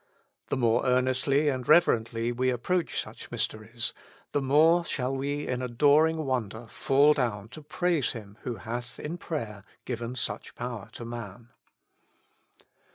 The more earnestly and reverently w^e ap proach such mysteries, the more shall we in adoring wonder fall down to praise Him who hath in prayer given such power to man.